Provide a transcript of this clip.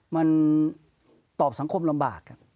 มันตอบสังคมลำบาก